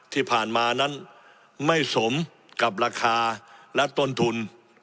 ที่ผ่านมานั้นไม่สมกับราคาและต้นทุน